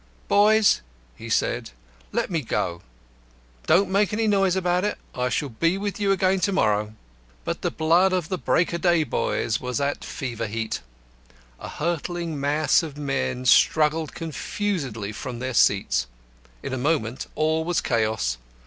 "Boys," he said, "let me go. Don't make any noise about it. I shall be with you again to morrow." But the blood of the Break o' Day boys was at fever heat. A hurtling mass of men struggled confusedly from their seats. In a moment all was chaos.